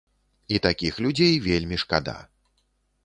І такіх людзей вельмі шкада.